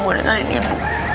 boleh ngalamin bu